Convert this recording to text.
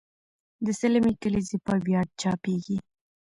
د سلمې کلیزې په ویاړ چاپېږي.